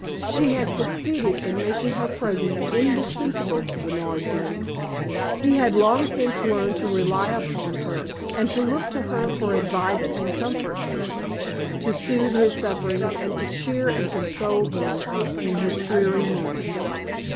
She had succeeded in making her presence indispensable to Bernard Dane. He had long since learned to rely upon her, and to look to her for advice and comfort, to soothe his sufferings and to cheer and console him in his dreary moments.